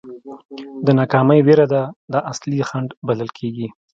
د ناکامۍ وېره ده دا اصلي خنډ بلل کېږي.